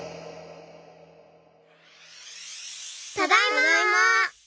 ただいま！